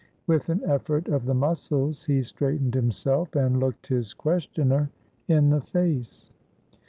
With an effort of the muscles, he straightened himself and looked his questioner in the face.